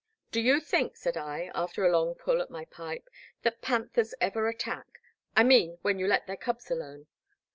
Do you think," said I, after a long pull at my pipe, that panthers ever attack? I mean, when you let their cubs alone."